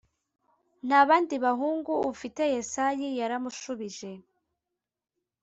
nta bandi bahungu ufite yesayi yaramushubije